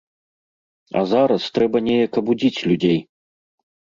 А зараз трэба неяк абудзіць людзей.